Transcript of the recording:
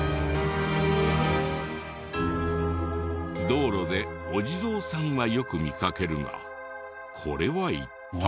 道路でお地蔵さんはよく見かけるがこれは一体。